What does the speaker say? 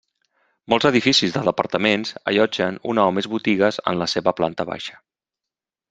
Molts edificis de departaments allotgen una o més botigues en la seva planta baixa.